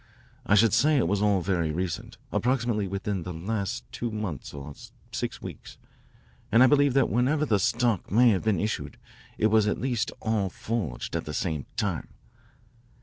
I should say it was all very recent, approximately within the last two months or six weeks, and I believe that whenever the stock may have been issued it at least was all forged at the same time.